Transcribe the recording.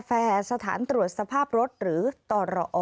ฟังเสียงลูกจ้างรัฐตรเนธค่ะ